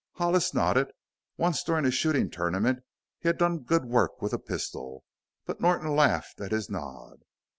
Hollis nodded. Once during a shooting tournament he had done good work with a pistol. But Norton laughed at his nod.